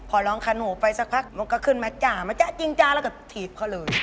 พอร้องขนมไปสักพักก็ขึ้นมาจ้ะจ้ะจริงจ้ะแล้วก็ถีบเขาเลย